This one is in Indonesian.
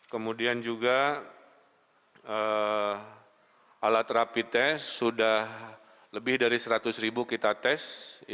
kemudian juga alat rapi tes sudah lebih dari seratus ribu kita tes